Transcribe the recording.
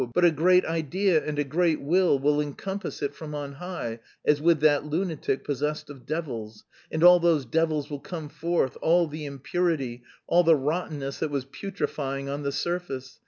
_ But a great idea and a great Will will encompass it from on high, as with that lunatic possessed of devils... and all those devils will come forth, all the impurity, all the rottenness that was putrefying on the surface